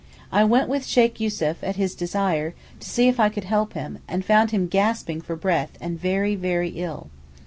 I went with Sheykh Yussuf, at his desire, to see if I could help him, and found him gasping for breath and very, very ill.